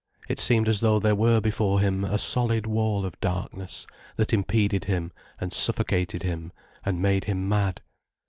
It seemed as though there were before him a solid wall of darkness that impeded him and suffocated him and made him mad.